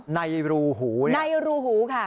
ในรูหูค่ะ